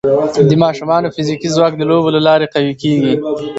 د ماشومانو فزیکي ځواک د لوبو له لارې قوي کېږي.